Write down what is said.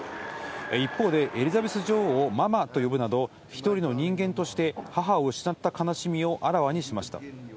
一方で、エリザベス女王をママと呼ぶなど、一人の人間として母を失った悲しみをあらわにしました。